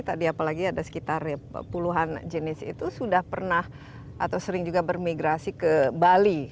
tadi apalagi ada sekitar puluhan jenis itu sudah pernah atau sering juga bermigrasi ke bali